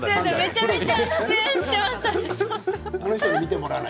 めちゃめちゃ出演していましたね。